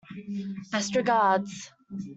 Best regards.